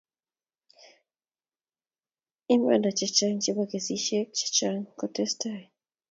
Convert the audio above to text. Imanda chechang' chebo kesishek chechang ko testai